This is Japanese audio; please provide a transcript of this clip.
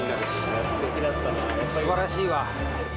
すばらしいわ。